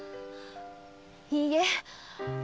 いいえ。